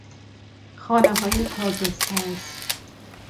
خانههای تازه ساز